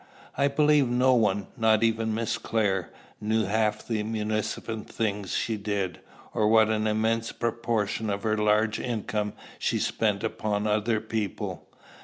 I believe no one, not even Miss Clare, knew half the munificent things she did, or what an immense proportion of her large income she spent upon other people.